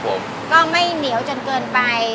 ผมก็ไม่เหนียวจนเกินไป